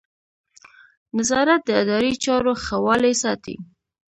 نظارت د اداري چارو ښه والی ساتي.